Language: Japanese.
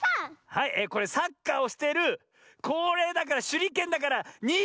はいこれサッカーをしているこれだからしゅりけんだからにんじゃ！